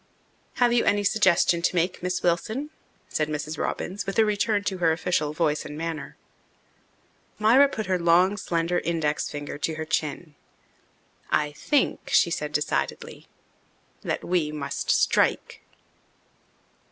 "Have you any suggestion to make, Miss Wilson?" said Mrs. Robbins, with a return to her official voice and manner. Myra put her long, slender index finger to her chin. "I think," she said decidedly, "that we must strike."